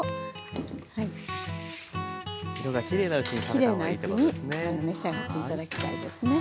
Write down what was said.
きれいなうちに召し上がって頂きたいですね。